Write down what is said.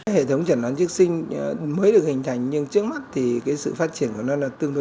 hệ thống chẩn đoán trước sinh mới được hình thành nhưng trước mắt thì sự phát triển của nó